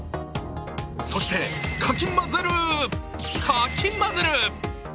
そして、かき混ぜる、かき混ぜる。